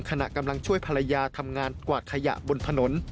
ขณะกำลังช่วยภรรยาทำงานกวาดขยะบนถนน